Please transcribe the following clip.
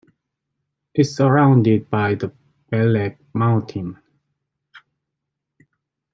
It is surrounded by the Beleg Mountain.